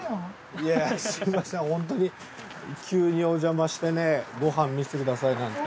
いやすみませんホントに急におじゃましてねご飯見せてくださいなんて。